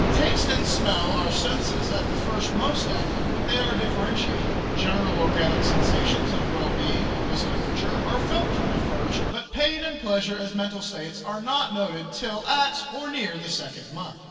Taste and smell are senses at the first most active, but they are differentiated. General organic sensations of well being or discomfiture are felt from the first, but pain and pleasure as mental states are not noted till at or near the second month.